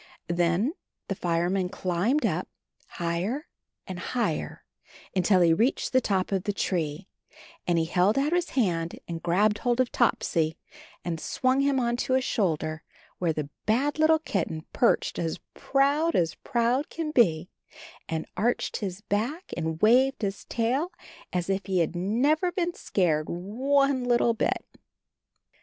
Then the flreman climbed up higher and higher until he reached the top of the tree, and he held out his hand and grabbed hold of Topsy, and swung him on to his shoulder, where the bad little kitten perched as proud as proud can be, and arched his back, and waved his tail, as if he had never been scared one little bit.